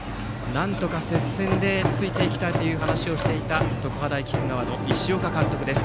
なんとか接戦でついていきたいという話をしていた常葉大菊川の石岡監督です。